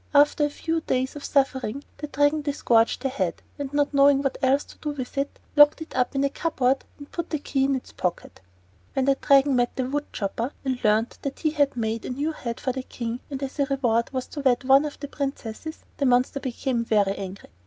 After a few days of suffering the Dragon disgorged the head, and, not knowing what else to do with it, locked it up in a cupboard and put the key in its pocket. When the Dragon met the wood chopper and learned he had made a new head for the King, and as a reward was to wed one of the princesses, the monster became very angry.